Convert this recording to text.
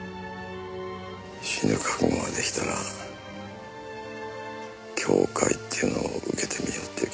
死ぬ覚悟ができたら教誨っていうのを受けてみようっていう気になって。